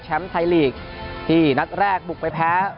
ไทยลีกที่นัดแรกบุกไปแพ้